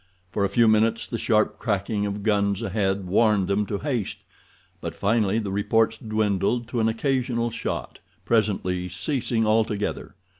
For a few minutes, the sharp cracking of guns ahead warned them to haste, but finally the reports dwindled to an occasional shot, presently ceasing altogether.